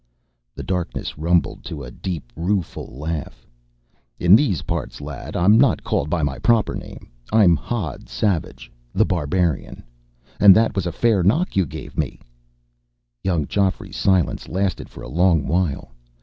The darkness rumbled to a deep, rueful laugh. "In these parts, lad, I'm not called by my proper name. I'm Hodd Savage The Barbarian. And that was a fair knock you gave me." Young Geoffrey's silence lasted for a long while.